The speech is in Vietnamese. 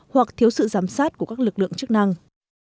hoặc thiếu sự giám sát của các lực lượng chức năng